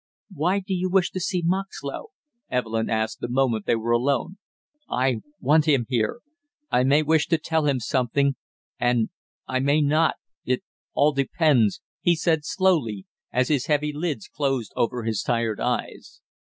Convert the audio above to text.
"Why do you wish to see Moxlow?" Evelyn asked the moment they were alone. "I want him here; I may wish to tell him something and I may not, it all depends," he said slowly, as his heavy lids closed over his tired eyes.